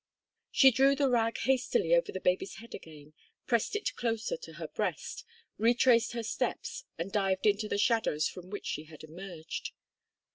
She drew the rag hastily over the baby's head again, pressed it closer to her breast, retraced her steps, and dived into the shadows from which she had emerged.